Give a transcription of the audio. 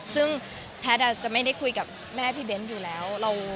ซึ่งแพทย์จะไม่ได้คุยกับแม่พี่เบ้นอยู่แล้ว